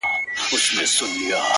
• زموږ وطن كي اور بل دی؛